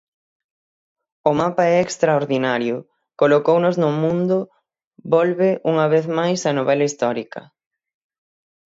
O mapa é extraordinario: colocounos no mundo Volve unha vez máis a novela histórica.